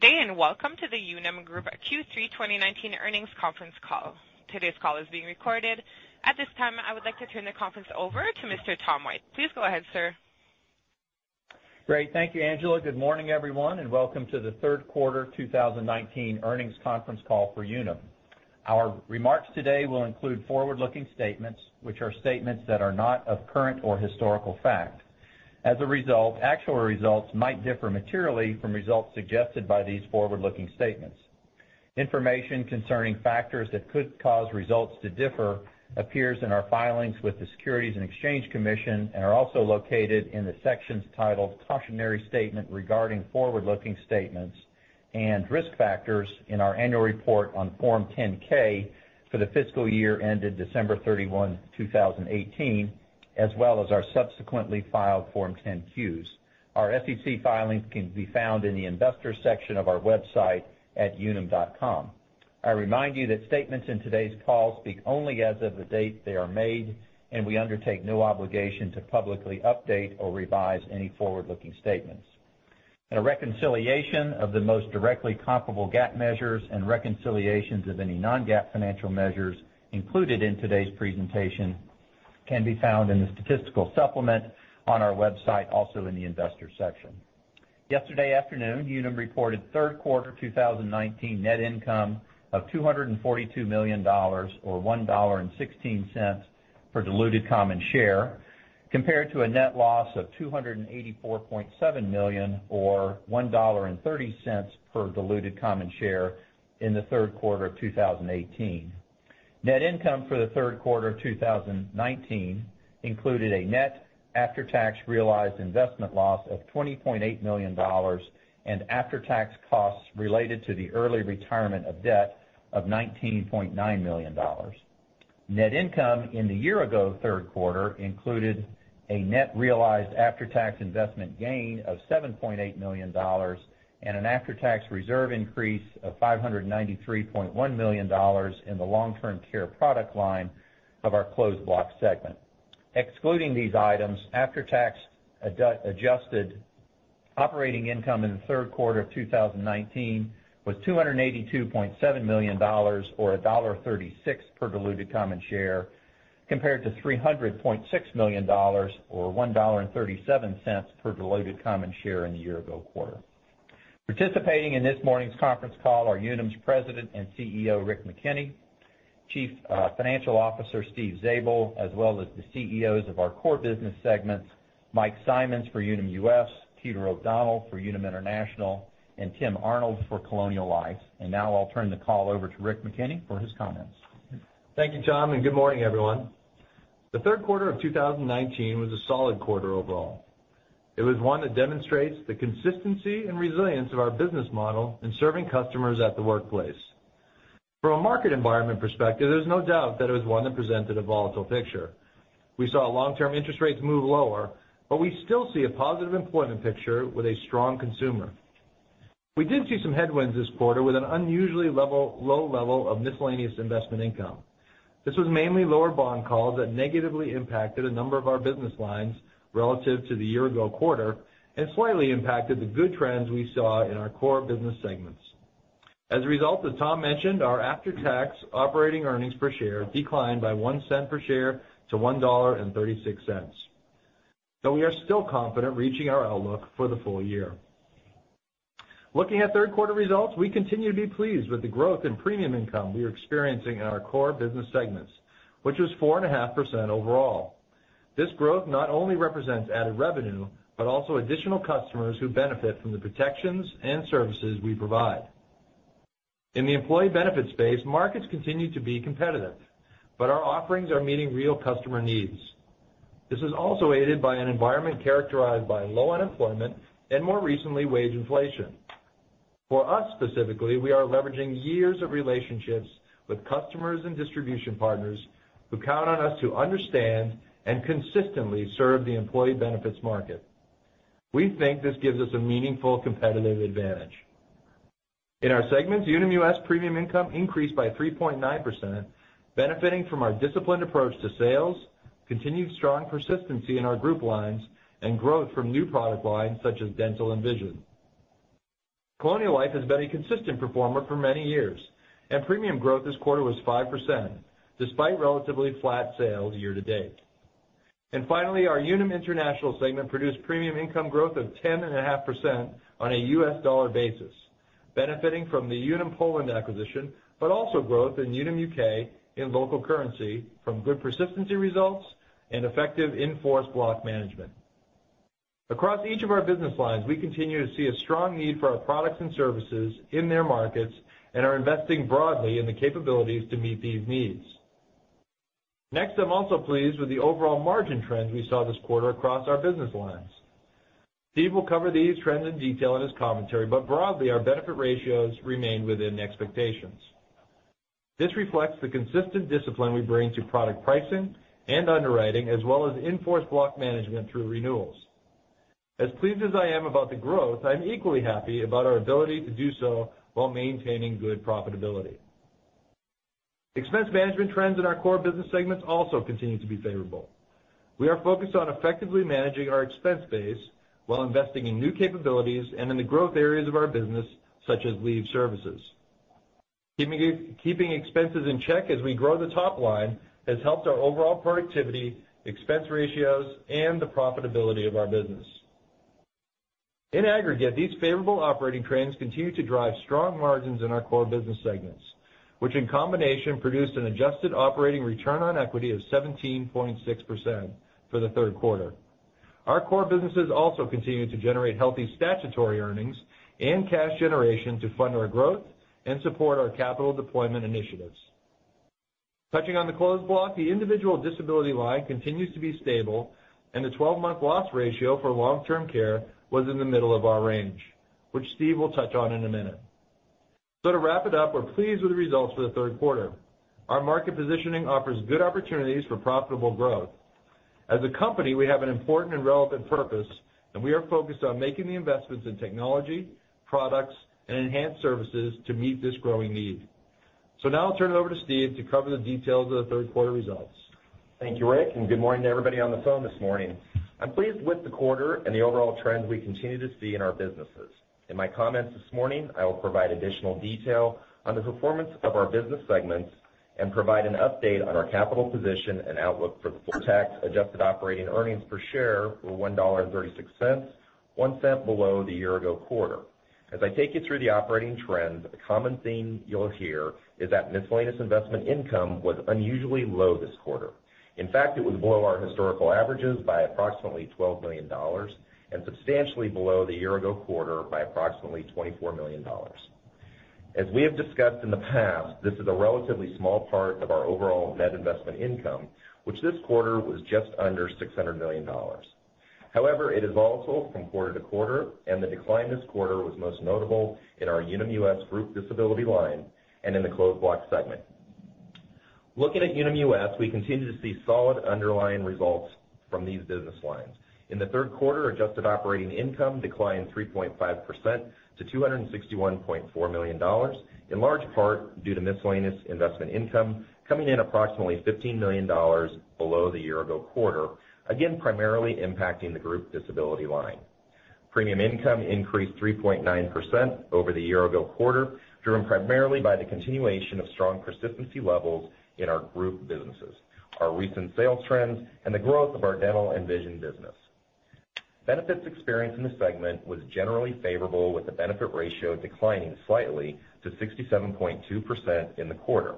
Good day, welcome to the Unum Group Q3 2019 earnings conference call. Today's call is being recorded. At this time, I would like to turn the conference over to Mr. Tom White. Please go ahead, sir. Great. Thank you, Angela. Good morning, everyone, welcome to the third quarter 2019 earnings conference call for Unum. Our remarks today will include forward-looking statements, which are statements that are not of current or historical fact. As a result, actual results might differ materially from results suggested by these forward-looking statements. Information concerning factors that could cause results to differ appears in our filings with the Securities and Exchange Commission and are also located in the sections titled Cautionary Statement regarding Forward-Looking Statements and Risk Factors in our annual report on Form 10-K for the fiscal year ended December 31, 2018, as well as our subsequently filed Form 10-Qs. Our SEC filings can be found in the investors section of our website at unum.com. I remind you that statements in today's call speak only as of the date they are made, we undertake no obligation to publicly update or revise any forward-looking statements. A reconciliation of the most directly comparable GAAP measures and reconciliations of any non-GAAP financial measures included in today's presentation can be found in the statistical supplement on our website, also in the investors section. Yesterday afternoon, Unum reported third quarter 2019 net income of $242 million, or $1.16 per diluted common share, compared to a net loss of $284.7 million, or $1.30 per diluted common share in the third quarter of 2018. Net income for the third quarter 2019 included a net after-tax realized investment loss of $20.8 million and after-tax costs related to the early retirement of debt of $19.9 million. Net income in the year-ago third quarter included a net realized after-tax investment gain of $7.8 million and an after-tax reserve increase of $593.1 million in the long-term care product line of our closed block segment. Excluding these items, after-tax adjusted operating income in the third quarter of 2019 was $282.7 million, or $1.36 per diluted common share, compared to $300.6 million or $1.37 per diluted common share in the year-ago quarter. Participating in this morning's conference call are Unum's President and CEO, Rick McKenney, Chief Financial Officer, Steven Zabel, as well as the CEOs of our core business segments, Michael Simonds for Unum US, Peter O'Donnell for Unum International, and Timothy Arnold for Colonial Life. Now I'll turn the call over to Rick McKenney for his comments. Thank you, Tom, and good morning, everyone. The third quarter of 2019 was a solid quarter overall. It was one that demonstrates the consistency and resilience of our business model in serving customers at the workplace. From a market environment perspective, there's no doubt that it was one that presented a volatile picture. We saw long-term interest rates move lower. We still see a positive employment picture with a strong consumer. We did see some headwinds this quarter with an unusually low level of miscellaneous investment income. This was mainly lower bond calls that negatively impacted a number of our business lines relative to the year-ago quarter and slightly impacted the good trends we saw in our core business segments. As a result, as Tom mentioned, our after-tax operating earnings per share declined by $0.01 per share to $1.36. We are still confident reaching our outlook for the full year. Looking at third quarter results, we continue to be pleased with the growth in premium income we are experiencing in our core business segments, which was 4.5% overall. This growth not only represents added revenue, but also additional customers who benefit from the protections and services we provide. In the employee benefits space, markets continue to be competitive, but our offerings are meeting real customer needs. This is also aided by an environment characterized by low unemployment and, more recently, wage inflation. For us specifically, we are leveraging years of relationships with customers and distribution partners who count on us to understand and consistently serve the employee benefits market. We think this gives us a meaningful competitive advantage. In our segments, Unum US premium income increased by 3.9%, benefiting from our disciplined approach to sales, continued strong persistency in our group lines, and growth from new product lines such as dental and vision. Colonial Life has been a consistent performer for many years, and premium growth this quarter was 5%, despite relatively flat sales year to date. Finally, our Unum International segment produced premium income growth of 10.5% on a U.S. dollar basis, benefiting from the Unum Poland acquisition, but also growth in Unum UK in local currency from good persistency results and effective in-force block management. Across each of our business lines, we continue to see a strong need for our products and services in their markets and are investing broadly in the capabilities to meet these needs. Next, I'm also pleased with the overall margin trends we saw this quarter across our business lines. Steve will cover these trends in detail in his commentary, but broadly, our benefit ratios remain within expectations. This reflects the consistent discipline we bring to product pricing and underwriting, as well as in-force block management through renewals. As pleased as I am about the growth, I'm equally happy about our ability to do so while maintaining good profitability. Expense management trends in our core business segments also continue to be favorable. We are focused on effectively managing our expense base while investing in new capabilities and in the growth areas of our business, such as leave services. Keeping expenses in check as we grow the top line has helped our overall productivity, expense ratios, and the profitability of our business. In aggregate, these favorable operating trends continue to drive strong margins in our core business segments, which in combination produced an adjusted operating return on equity of 17.6% for the third quarter. Our core businesses also continue to generate healthy statutory earnings and cash generation to fund our growth and support our capital deployment initiatives. Touching on the Closed Block, the individual disability line continues to be stable, and the 12-month loss ratio for long-term care was in the middle of our range, which Steve will touch on in a minute. To wrap it up, we're pleased with the results for the third quarter. Our market positioning offers good opportunities for profitable growth. As a company, we have an important and relevant purpose, and we are focused on making the investments in technology, products, and enhanced services to meet this growing need. Now I'll turn it over to Steve to cover the details of the third quarter results. Thank you, Rick, and good morning to everybody on the phone this morning. I'm pleased with the quarter and the overall trends we continue to see in our businesses. In my comments this morning, I will provide additional detail on the performance of our business segments and provide an update on our capital position and outlook for the full tax adjusted operating earnings per share were $1.36, $0.01 below the year-ago quarter. As I take you through the operating trends, a common theme you'll hear is that miscellaneous investment income was unusually low this quarter. In fact, it was below our historical averages by approximately $12 million, and substantially below the year-ago quarter by approximately $24 million. As we have discussed in the past, this is a relatively small part of our overall net investment income, which this quarter was just under $600 million. It is also from quarter to quarter, and the decline this quarter was most notable in our Unum US Group Disability line and in the Closed Block segment. Looking at Unum US, we continue to see solid underlying results from these business lines. In the third quarter, adjusted operating income declined 3.5% to $261.4 million, in large part due to miscellaneous investment income coming in approximately $15 million below the year-ago quarter, again, primarily impacting the Group Disability line. Premium income increased 3.9% over the year-ago quarter, driven primarily by the continuation of strong persistency levels in our group businesses, our recent sales trends, and the growth of our dental and vision business. Benefits experience in the segment was generally favorable, with the benefit ratio declining slightly to 67.2% in the quarter.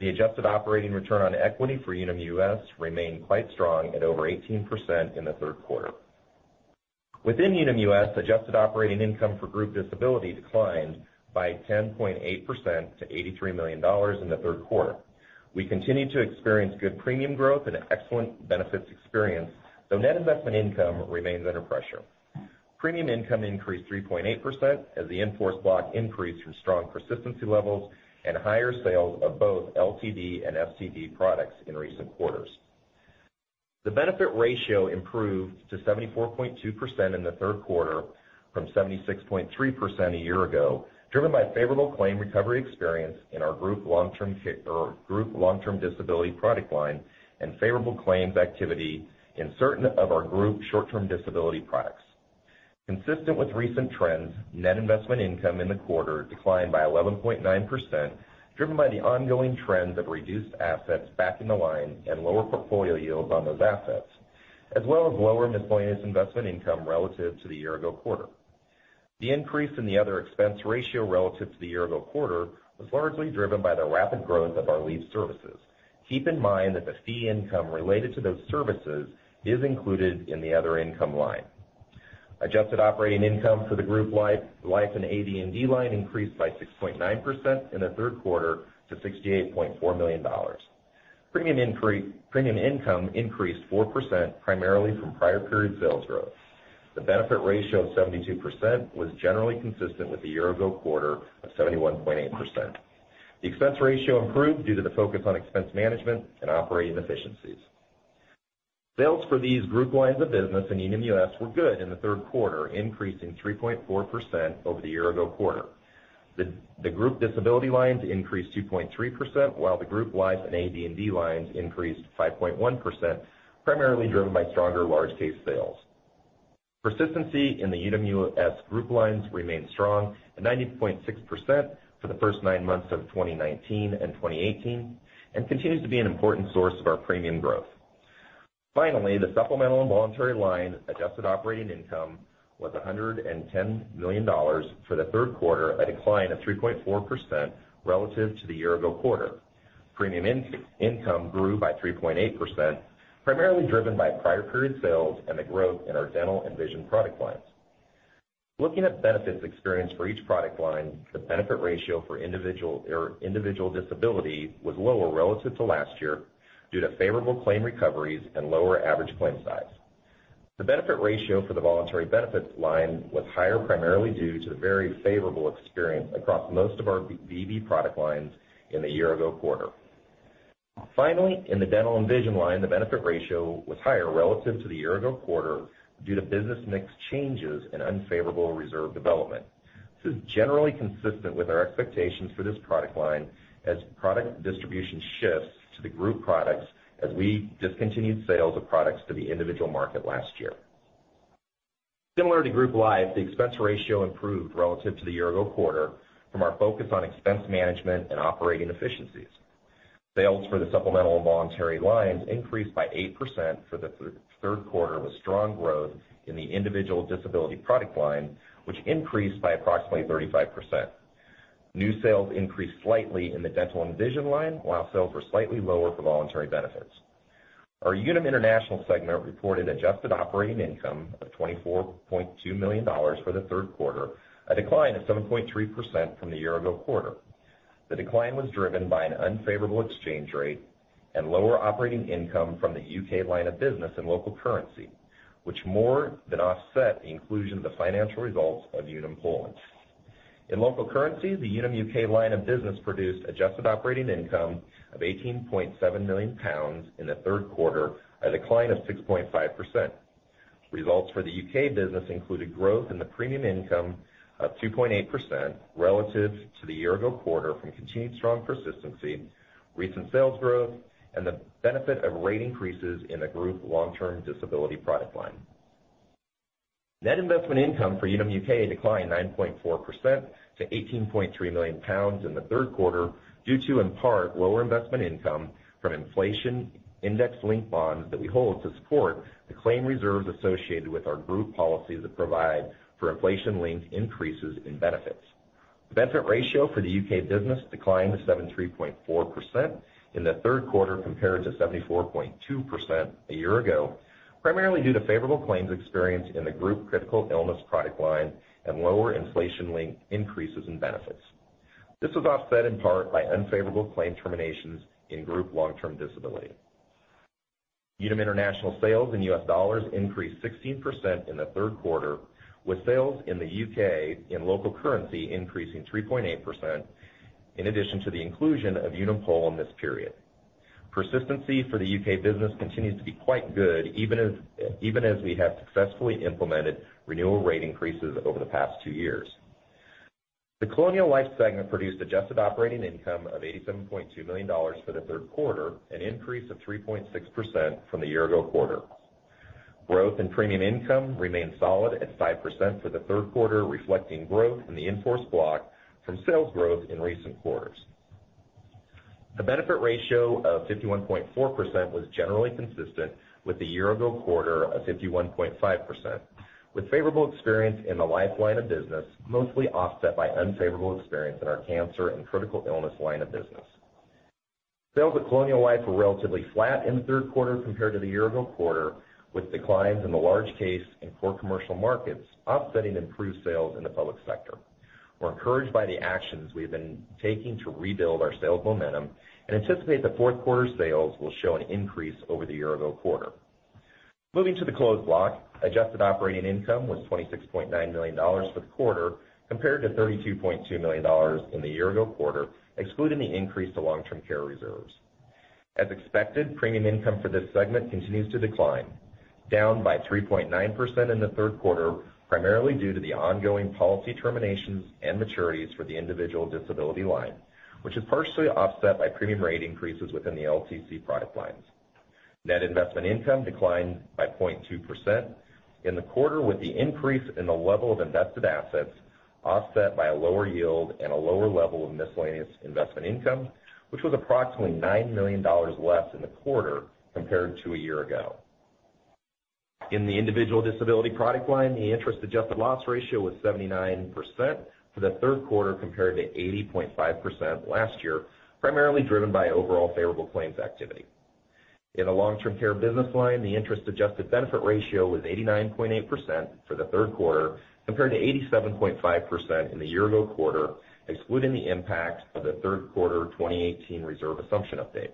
The adjusted operating return on equity for Unum US remained quite strong at over 18% in the third quarter. Within Unum US, adjusted operating income for Group Disability declined by 10.8% to $83 million in the third quarter. We continue to experience good premium growth and excellent benefits experience, though net investment income remains under pressure. Premium income increased 3.8% as the in-force block increased from strong persistency levels and higher sales of both LTD and STD products in recent quarters. The benefit ratio improved to 74.2% in the third quarter from 76.3% a year ago, driven by favorable claim recovery experience in our Group Long-Term Disability product line and favorable claims activity in certain of our Group Short-Term Disability products. Consistent with recent trends, net investment income in the quarter declined by 11.9%, driven by the ongoing trends of reduced assets backing the line and lower portfolio yields on those assets, as well as lower miscellaneous investment income relative to the year-ago quarter. The increase in the other expense ratio relative to the year-ago quarter was largely driven by the rapid growth of our leave services. Keep in mind that the fee income related to those services is included in the other income line. Adjusted operating income for the Group Life and AD&D line increased by 6.9% in the third quarter to $68.4 million. Premium income increased 4%, primarily from prior period sales growth. The benefit ratio of 72% was generally consistent with the year-ago quarter of 71.8%. The expense ratio improved due to the focus on expense management and operating efficiencies. Sales for these group lines of business in Unum US were good in the third quarter, increasing 3.4% over the year-ago quarter. The Group Disability lines increased 2.3%, while the Group Life and AD&D lines increased 5.1%, primarily driven by stronger large case sales. Persistency in the Unum US group lines remained strong at 90.6% for the first nine months of 2019 and 2018 and continues to be an important source of our premium growth. Finally, the Supplemental and Voluntary line adjusted operating income was $110 million for the third quarter, a decline of 3.4% relative to the year-ago quarter. Premium income grew by 3.8%, primarily driven by prior period sales and the growth in our dental and vision product lines. Looking at benefits experience for each product line, the benefit ratio for individual disability was lower relative to last year due to favorable claim recoveries and lower average claim size. The benefit ratio for the voluntary benefits line was higher primarily due to the very favorable experience across most of our VB product lines in the year-ago quarter. Finally, in the dental and vision line, the benefit ratio was higher relative to the year-ago quarter due to business mix changes and unfavorable reserve development. This is generally consistent with our expectations for this product line as product distribution shifts to the group products as we discontinued sales of products to the individual market last year. Similar to group life, the expense ratio improved relative to the year-ago quarter from our focus on expense management and operating efficiencies. Sales for the supplemental and voluntary lines increased by 8% for the third quarter, with strong growth in the individual disability product line, which increased by approximately 35%. New sales increased slightly in the dental and vision line, while sales were slightly lower for voluntary benefits. Our Unum International segment reported adjusted operating income of $24.2 million for the third quarter, a decline of 7.3% from the year-ago quarter. The decline was driven by an unfavorable exchange rate and lower operating income from the U.K. line of business in local currency, which more than offset the inclusion of the financial results of Unum Poland. In local currency, the Unum U.K. line of business produced adjusted operating income of 18.7 million pounds in the third quarter, a decline of 6.5%. Results for the U.K. business included growth in the premium income of 2.8% relative to the year-ago quarter from continued strong persistency, recent sales growth, and the benefit of rate increases in the group long-term disability product line. Net investment income for Unum U.K. declined 9.4% to 18.3 million pounds in the third quarter due to, in part, lower investment income from inflation index-linked bonds that we hold to support the claim reserves associated with our group policy that provide for inflation-linked increases in benefits. The benefit ratio for the U.K. business declined to 73.4% in the third quarter compared to 74.2% a year ago, primarily due to favorable claims experience in the group critical illness product line and lower inflation-linked increases in benefits. This was offset in part by unfavorable claim terminations in group long-term disability. Unum International sales in U.S. dollars increased 16% in the third quarter, with sales in the U.K. in local currency increasing 3.8%, in addition to the inclusion of Unum Poland this period. Persistency for the U.K. business continues to be quite good, even as we have successfully implemented renewal rate increases over the past two years. The Colonial Life segment produced adjusted operating income of $87.2 million for the third quarter, an increase of 3.6% from the year-ago quarter. Growth in premium income remained solid at 5% for the third quarter, reflecting growth in the in-force block from sales growth in recent quarters. The benefit ratio of 51.4% was generally consistent with the year-ago quarter of 51.5%, with favorable experience in the life line of business mostly offset by unfavorable experience in our cancer and critical illness line of business. Sales at Colonial Life were relatively flat in the third quarter compared to the year-ago quarter, with declines in the large case and poor commercial markets offsetting improved sales in the public sector. We're encouraged by the actions we have been taking to rebuild our sales momentum and anticipate that fourth quarter sales will show an increase over the year-ago quarter. Moving to the closed block. Adjusted operating income was $26.9 million for the quarter, compared to $32.2 million in the year-ago quarter, excluding the increase to long-term care reserves. As expected, premium income for this segment continues to decline, down by 3.9% in the third quarter, primarily due to the ongoing policy terminations and maturities for the individual disability line, which is partially offset by premium rate increases within the LTC product lines. Net investment income declined by 0.2% in the quarter, with the increase in the level of invested assets offset by a lower yield and a lower level of miscellaneous investment income, which was approximately $9 million less in the quarter compared to a year ago. In the individual disability product line, the interest-adjusted loss ratio was 79% for the third quarter compared to 80.5% last year, primarily driven by overall favorable claims activity. In the long-term care business line, the interest-adjusted benefit ratio was 89.8% for the third quarter compared to 87.5% in the year-ago quarter, excluding the impact of the third quarter 2018 reserve assumption update.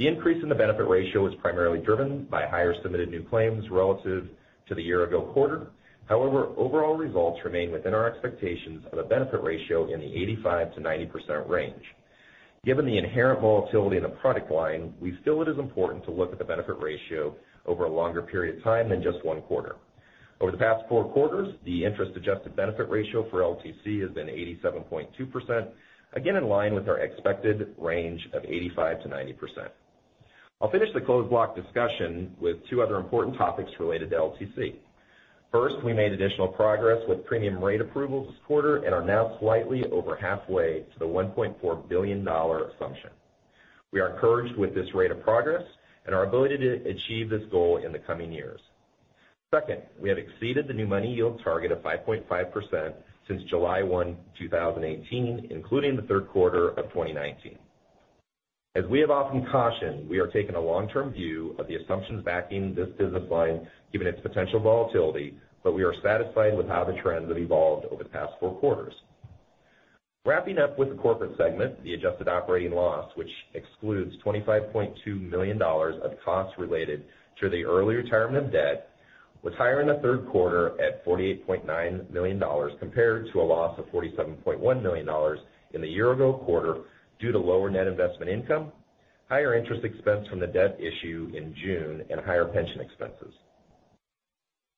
The increase in the benefit ratio was primarily driven by higher submitted new claims relative to the year-ago quarter. However, overall results remain within our expectations of a benefit ratio in the 85%-90% range. Given the inherent volatility in the product line, we feel it is important to look at the benefit ratio over a longer period of time than just one quarter. Over the past four quarters, the interest-adjusted benefit ratio for LTC has been 87.2%, again in line with our expected range of 85%-90%. I'll finish the closed block discussion with two other important topics related to LTC. First, we made additional progress with premium rate approvals this quarter and are now slightly over halfway to the $1.4 billion assumption. We are encouraged with this rate of progress and our ability to achieve this goal in the coming years. Second, we have exceeded the new money yield target of 5.5% since July 1, 2018, including the third quarter of 2019. As we have often cautioned, we are taking a long-term view of the assumptions backing this business line given its potential volatility, but we are satisfied with how the trends have evolved over the past four quarters. Wrapping up with the corporate segment, the adjusted operating loss, which excludes $25.2 million of costs related to the early retirement of debt was higher in the third quarter at $48.9 million compared to a loss of $47.1 million in the year-ago quarter due to lower net investment income, higher interest expense from the debt issue in June, and higher pension expenses.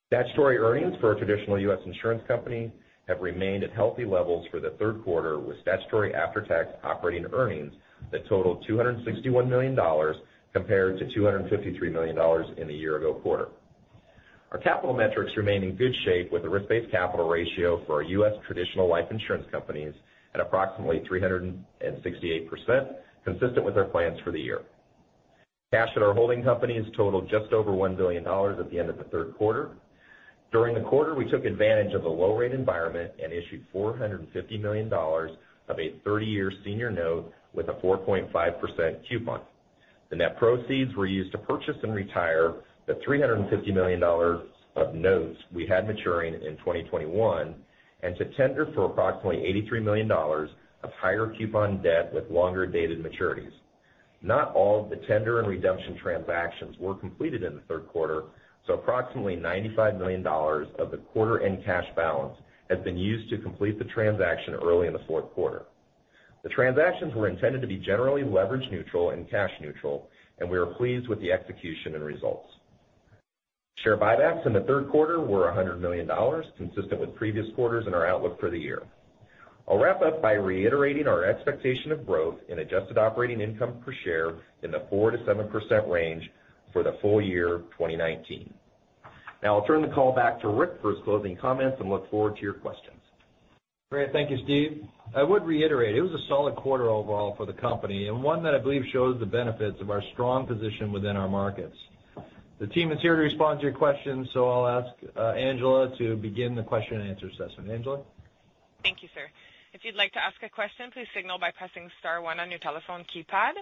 Statutory earnings for a traditional U.S. insurance company have remained at healthy levels for the third quarter, with statutory after-tax operating earnings that totaled $261 million compared to $253 million in the year-ago quarter. Our capital metrics remain in good shape with the risk-based capital ratio for our U.S. traditional life insurance companies at approximately 368%, consistent with our plans for the year. Cash at our holding companies totaled just over $1 billion at the end of the third quarter. During the quarter, we took advantage of the low-rate environment and issued $450 million of a 30-year senior note with a 4.5% coupon. The net proceeds were used to purchase and retire the $350 million of notes we had maturing in 2021, and to tender for approximately $83 million of higher coupon debt with longer-dated maturities. Not all of the tender and redemption transactions were completed in the third quarter, so approximately $95 million of the quarter-end cash balance has been used to complete the transaction early in the fourth quarter. The transactions were intended to be generally leverage neutral and cash neutral, and we are pleased with the execution and results. Share buybacks in the third quarter were $100 million, consistent with previous quarters and our outlook for the year. I'll wrap up by reiterating our expectation of growth in adjusted operating income per share in the 4%-7% range for the full year 2019. I'll turn the call back to Rick for his closing comments and look forward to your questions. Great. Thank you, Steve. I would reiterate, it was a solid quarter overall for the company, and one that I believe shows the benefits of our strong position within our markets. The team is here to respond to your questions, so I'll ask Angela to begin the question and answer session. Angela? Thank you, sir. If you'd like to ask a question, please signal by pressing star one on your telephone keypad.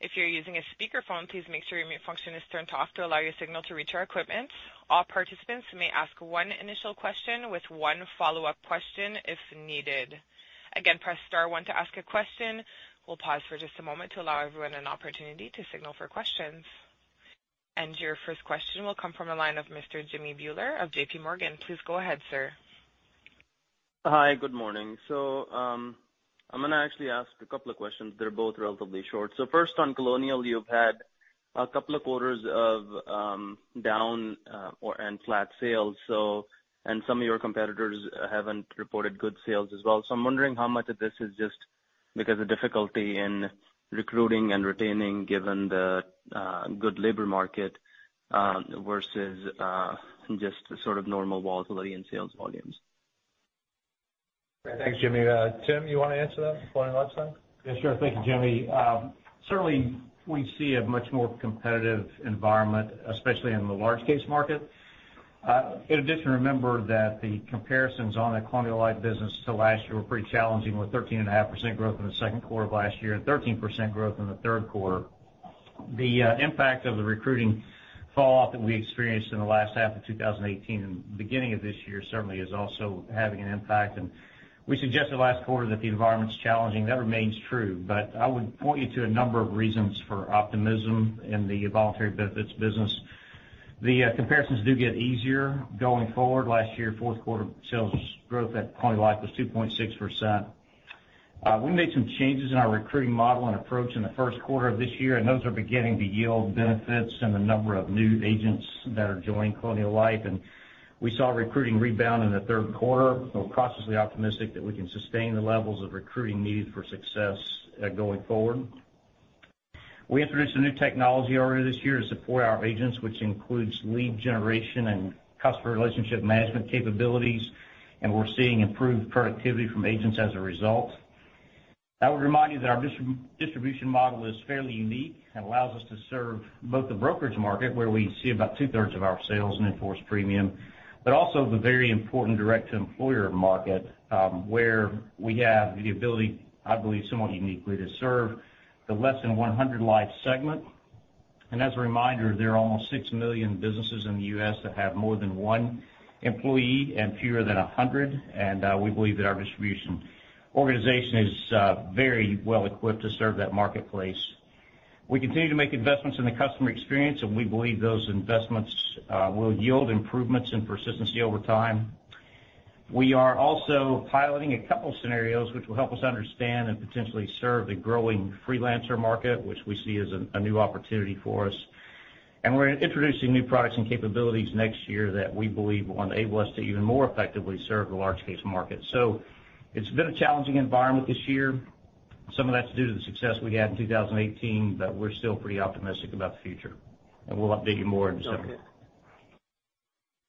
If you're using a speakerphone, please make sure your mute function is turned off to allow your signal to reach our equipment. All participants may ask one initial question with one follow-up question if needed. Again, press star one to ask a question. We'll pause for just a moment to allow everyone an opportunity to signal for questions. Your first question will come from the line of Mr. Jimmy Bhullar of J.P. Morgan. Please go ahead, sir. Hi. Good morning. I'm going to actually ask a couple of questions. They're both relatively short. First, on Colonial, you've had a couple of quarters of down and flat sales. Some of your competitors haven't reported good sales as well. I'm wondering how much of this is just because of difficulty in recruiting and retaining, given the good labor market, versus just sort of normal volatility in sales volumes. Thanks, Jimmy. Tim, you want to answer that before I let someone? Yeah, sure. Thank you, Jimmy. Certainly, we see a much more competitive environment, especially in the large case market. In addition, remember that the comparisons on the Colonial Life business to last year were pretty challenging, with 13.5% growth in the second quarter of last year and 13% growth in the third quarter. The impact of the recruiting fallout that we experienced in the last half of 2018 and beginning of this year certainly is also having an impact. We suggested last quarter that the environment's challenging. That remains true. I would point you to a number of reasons for optimism in the Voluntary Benefits business. The comparisons do get easier going forward. Last year, fourth quarter sales growth at Colonial Life was 2.6%. We made some changes in our recruiting model and approach in the first quarter of this year. Those are beginning to yield benefits in the number of new agents that are joining Colonial Life. We saw recruiting rebound in the third quarter. We're cautiously optimistic that we can sustain the levels of recruiting needed for success going forward. We introduced a new technology earlier this year to support our agents, which includes lead generation and customer relationship management capabilities. We're seeing improved productivity from agents as a result. I would remind you that our distribution model is fairly unique and allows us to serve both the brokerage market, where we see about two-thirds of our sales in in-force premium, also the very important direct employer market, where we have the ability, I believe, somewhat uniquely, to serve the less than 100 life segment. As a reminder, there are almost 6 million businesses in the U.S. that have more than one employee and fewer than 100. We believe that our distribution organization is very well equipped to serve that marketplace. We continue to make investments in the customer experience. We believe those investments will yield improvements in persistency over time. We are also piloting a couple of scenarios which will help us understand and potentially serve the growing freelancer market, which we see as a new opportunity for us. We're introducing new products and capabilities next year that we believe will enable us to even more effectively serve the large case market. It's been a challenging environment this year. Some of that's due to the success we had in 2018. We're still pretty optimistic about the future. We'll update you more in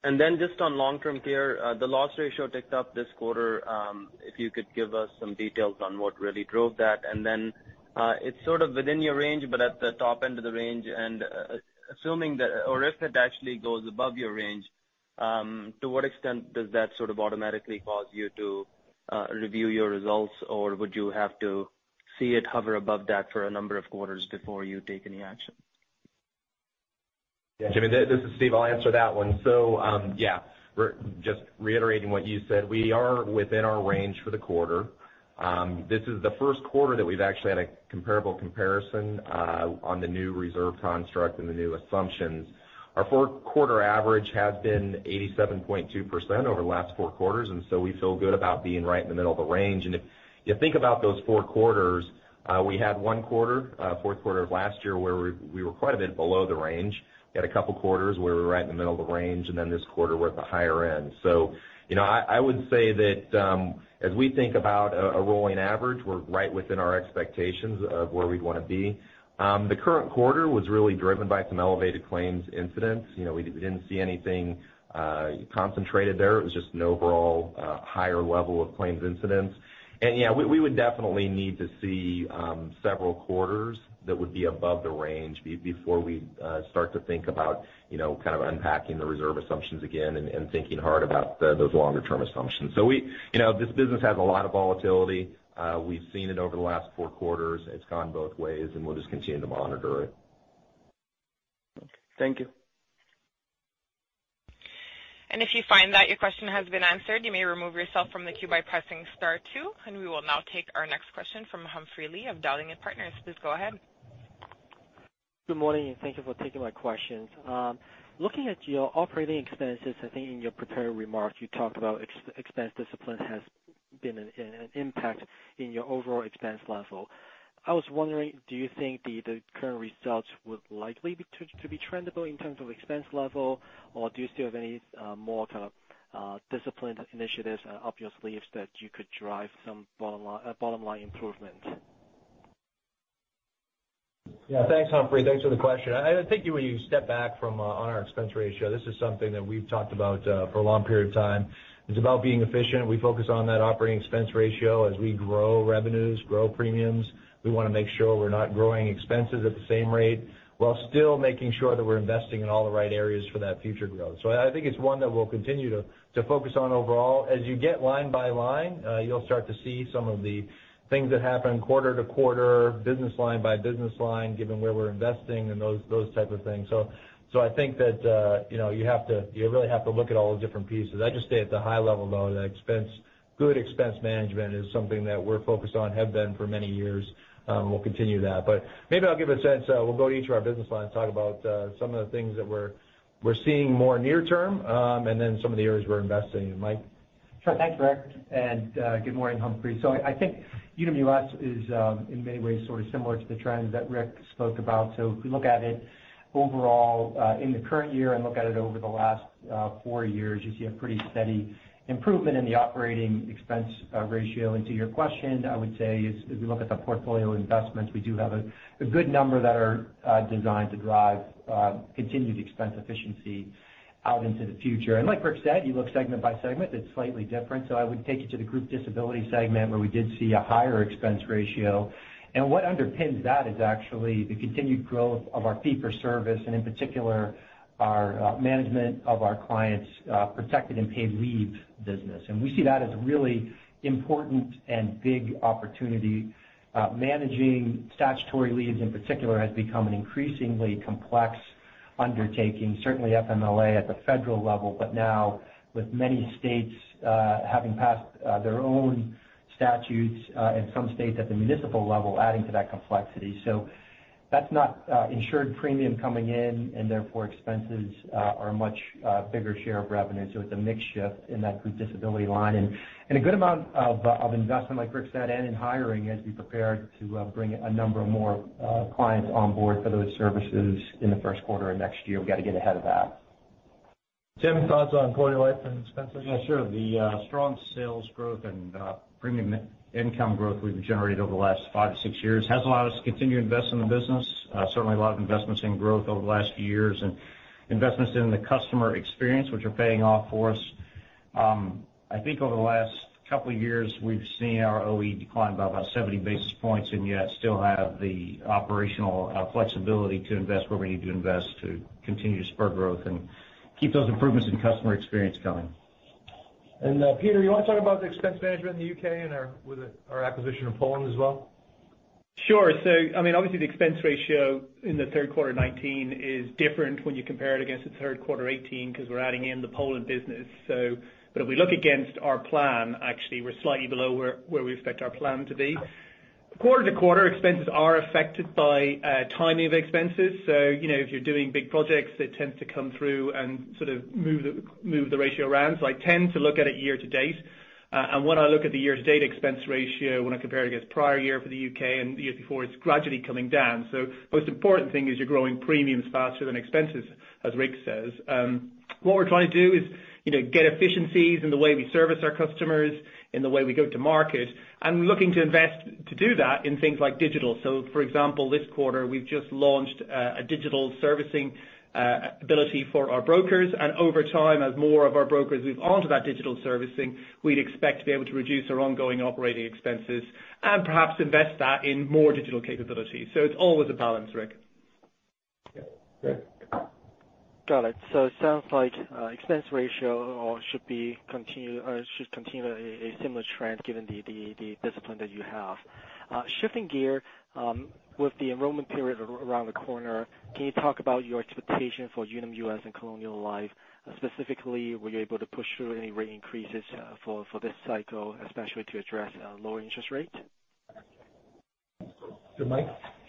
December. Just on long-term care, the loss ratio ticked up this quarter. If you could give us some details on what really drove that. It's sort of within your range, but at the top end of the range. Assuming that or if it actually goes above your range, to what extent does that sort of automatically cause you to review your results, or would you have to see it hover above that for a number of quarters before you take any action? Yeah, Jimmy, this is Steve. I'll answer that one. Yeah, just reiterating what you said, we are within our range for the quarter. This is the first quarter that we've actually had a comparable comparison on the new reserve construct and the new assumptions. Our fourth quarter average has been 87.2% over the last four quarters, we feel good about being right in the middle of the range. If you think about those four quarters, we had one quarter, fourth quarter of last year, where we were quite a bit below the range. We had a couple of quarters where we were right in the middle of the range, this quarter we're at the higher end. I would say that, as we think about a rolling average, we're right within our expectations of where we'd want to be. The current quarter was really driven by some elevated claims incidence. We didn't see anything concentrated there. It was just an overall higher level of claims incidence. Yeah, we would definitely need to see several quarters that would be above the range before we'd start to think about unpacking the reserve assumptions again and thinking hard about those longer-term assumptions. This business has a lot of volatility. We've seen it over the last four quarters. It's gone both ways, we'll just continue to monitor it. Okay. Thank you. If you find that your question has been answered, you may remove yourself from the queue by pressing star 2. We will now take our next question from Humphrey Lee of Dowling & Partners. Please go ahead. Good morning, thank you for taking my questions. Looking at your operating expenses, I think in your prepared remarks, you talked about expense discipline has been an impact in your overall expense level. I was wondering, do you think the current results would likely be trendable in terms of expense level, or do you still have any more kind of disciplined initiatives up your sleeves that you could drive some bottom-line improvement? Yeah, thanks, Humphrey. Thanks for the question. I think when you step back from on our expense ratio, this is something that we've talked about for a long period of time. It's about being efficient. We focus on that operating expense ratio as we grow revenues, grow premiums. We want to make sure we're not growing expenses at the same rate while still making sure that we're investing in all the right areas for that future growth. I think it's one that we'll continue to focus on overall. As you get line by line, you'll start to see some of the things that happen quarter to quarter, business line by business line, given where we're investing and those type of things. I think that you really have to look at all the different pieces. I just stay at the high level, though, that good expense management is something that we're focused on, have been for many years, and we'll continue that. Maybe I'll give a sense. We'll go to each of our business lines, talk about some of the things that we're seeing more near term, then some of the areas we're investing in. Mike? Sure. Thanks, Rick, and good morning, Humphrey. I think Unum US is, in many ways, sort of similar to the trends that Rick spoke about. If we look at it overall in the current year and look at it over the last 4 years, you see a pretty steady improvement in the operating expense ratio. To your question, I would say is, if we look at the portfolio investments, we do have a good number that are designed to drive continued expense efficiency out into the future. Like Rick said, you look segment by segment, it's slightly different. I would take you to the group disability segment where we did see a higher expense ratio. What underpins that is actually the continued growth of our fee for service, and in particular, our management of our clients' protected and paid leave business. We see that as a really important and big opportunity. Managing statutory leaves, in particular, has become an increasingly complex undertaking, certainly FMLA at the federal level, but now with many states having passed their own statutes, and some states at the municipal level adding to that complexity. That's not insured premium coming in and therefore expenses are a much bigger share of revenue. It's a mix shift in that group disability line. A good amount of investment, like Rick said, and in hiring as we prepare to bring a number of more clients on board for those services in the first quarter of next year. We've got to get ahead of that. Tim, thoughts on Colonial Life and expenses? Yeah, sure. The strong sales growth and premium income growth we've generated over the last five to six years has allowed us to continue to invest in the business. Certainly a lot of investments in growth over the last few years and investments in the customer experience, which are paying off for us. I think over the last couple of years, we've seen our OE decline by about 70 basis points and yet still have the operational flexibility to invest where we need to invest to continue to spur growth and keep those improvements in customer experience coming. Peter, you want to talk about the expense management in the U.K. and with our acquisition of Poland as well? Sure. Obviously the expense ratio in the third quarter 2019 is different when you compare it against the third quarter 2018 because we're adding in the Poland business. If we look against our plan, actually we're slightly below where we expect our plan to be. Quarter-to-quarter expenses are affected by timing of expenses. If you're doing big projects, they tend to come through and sort of move the ratio around. I tend to look at it year-to-date. When I look at the year-to-date expense ratio, when I compare it against prior year for the U.K. and the year before, it's gradually coming down. Most important thing is you're growing premiums faster than expenses, as Rick says. What we're trying to do is get efficiencies in the way we service our customers, in the way we go to market, and looking to invest to do that in things like digital. For example, this quarter we've just launched a digital servicing ability for our brokers, and over time, as more of our brokers move onto that digital servicing, we'd expect to be able to reduce our ongoing operating expenses and perhaps invest that in more digital capabilities. It's always a balance, Rick. Yeah. Rick? Got it. It sounds like expense ratio should continue a similar trend given the discipline that you have. Shifting gear, with the enrollment period around the corner, can you talk about your expectation for Unum US and Colonial Life? Specifically, were you able to push through any rate increases for this cycle, especially to address lower interest rates?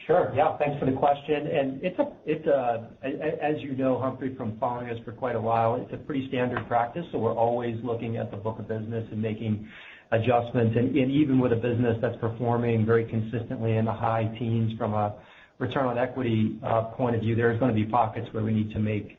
Sure. Yeah, thanks for the question, as you know, Humphrey, from following us for quite a while, it's a pretty standard practice. We're always looking at the book of business and making adjustments. Even with a business that's performing very consistently in the high teens from a return on equity point of view, there's going to be pockets where we need to make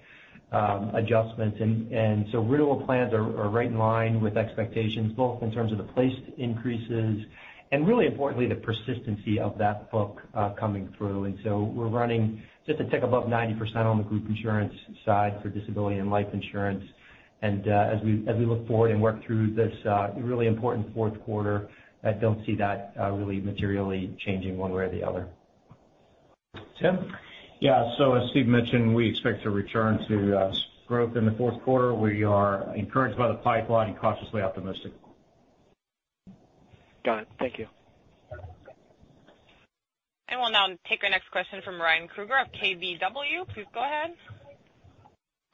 adjustments. Renewal plans are right in line with expectations, both in terms of the placed increases and really importantly, the persistency of that book coming through. We're running just a tick above 90% on the group insurance side for disability and life insurance. As we look forward and work through this really important fourth quarter, I don't see that really materially changing one way or the other. Tim? Yeah. As Steve mentioned, we expect to return to growth in the fourth quarter. We are encouraged by the pipeline and cautiously optimistic. Got it. Thank you. We'll now take our next question from Ryan Krueger of KBW. Please go ahead.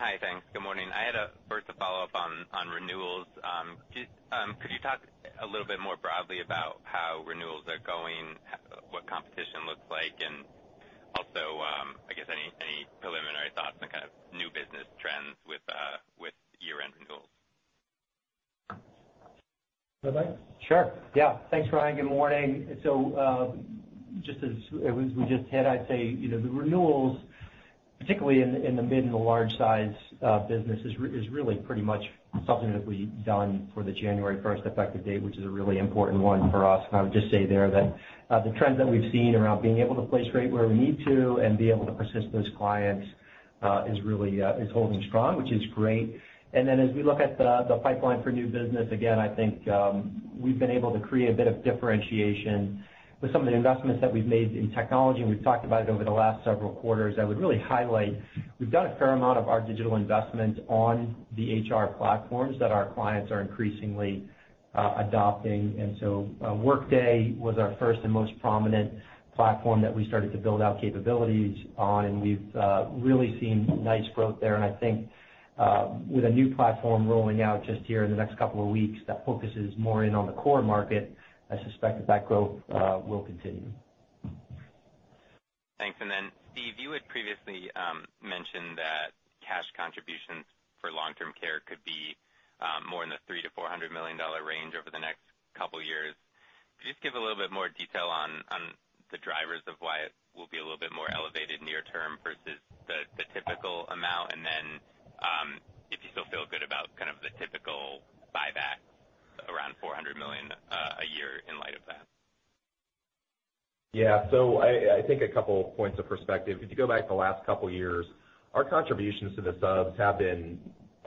Hi, thanks. Good morning. I had a first a follow-up on renewals. Could you talk a little bit more broadly about how renewals are going, what competition looks like, and also, I guess, any preliminary thoughts on kind of new business trends with year-end renewals? Sure. Yeah. Thanks, Ryan. Good morning. We just had, I'd say, the renewals, particularly in the mid and the large size business, is really pretty much something that we've done for the January 1st effective date, which is a really important one for us. I would just say there that the trends that we've seen around being able to place rate where we need to and be able to persist those clients is holding strong, which is great. As we look at the pipeline for new business, again, I think, we've been able to create a bit of differentiation with some of the investments that we've made in technology, and we've talked about it over the last several quarters. I would really highlight we've done a fair amount of our digital investment on the HR platforms that our clients are increasingly adopting. Workday was our first and most prominent platform that we started to build out capabilities on, and we've really seen nice growth there. I think with a new platform rolling out just here in the next couple of weeks, that focuses more in on the core market. I suspect that growth will continue. Thanks. Steve, you had previously mentioned that cash contributions for long-term care could be more in the $300 million-$400 million range over the next couple of years. Could you just give a little bit more detail on the drivers of why it will be a little bit more elevated near term versus the typical amount? If you still feel good about kind of the typical buyback around $400 million a year in light of that. Yeah. I think a couple points of perspective. If you go back the last couple of years, our contributions to the subs have been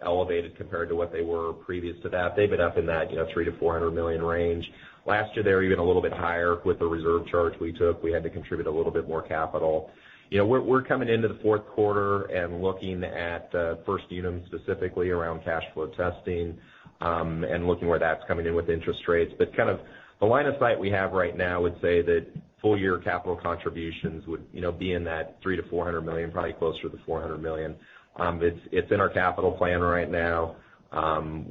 elevated compared to what they were previous to that. They've been up in that $300 million-$400 million range. Last year, they were even a little bit higher with the reserve charge we took. We had to contribute a little bit more capital. We're coming into the fourth quarter and looking at First Unum specifically around cash flow testing, and looking where that's coming in with interest rates. Kind of the line of sight we have right now would say that full year capital contributions would be in that $300 million-$400 million, probably closer to the $400 million. It's in our capital plan right now.